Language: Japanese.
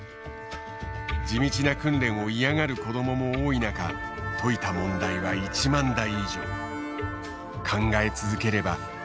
地道な訓練を嫌がる子どもも多い中解いた問題は１万題以上。